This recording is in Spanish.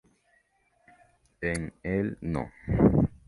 En el no.